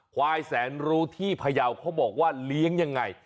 ควายแสนรู้ที่พยาวเขาบอกว่าเลี้ยงยังไง